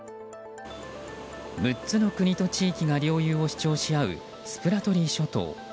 ６つの国と地域が領有を主張し合うスプラトリー諸島。